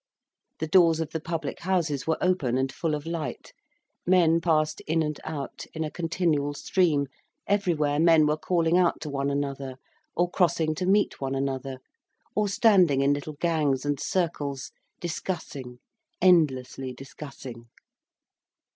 The doors of the public houses were open and full of light, men passed in and out in a continual stream, everywhere men were calling out to one another, or crossing to meet one another, or standing in little gangs and circles, discussing, endlessly discussing.